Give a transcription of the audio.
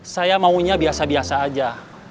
saya maunya biasa biasa aja